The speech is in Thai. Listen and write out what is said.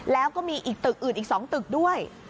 แล้วก็มีอีกตึกอื่นอีก๒ตึกด้วย